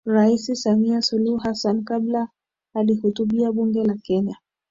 Rais Samia Suluhu Hassan kabla alihutubia Bunge la Kenya